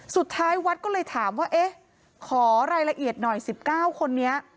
สุดท้ายวัดก็เลยถามว่าเอ๊ะขอรายละเอียดหน่อย๑๙คนนี้